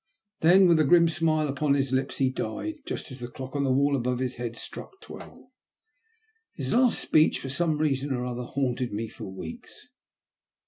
Then, with a grim smile upon his lips, he died, just as the clock on the wall above his head struck twelve. His last speech, for some reason or other, haunted me for weeks.